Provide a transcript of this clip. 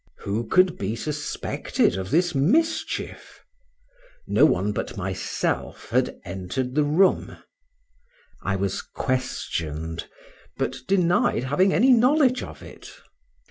Who could be suspected of this mischief? No one but myself had entered the room: I was questioned, but denied having any knowledge of it.